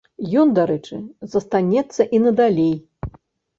Ён, дарэчы, застанецца і надалей.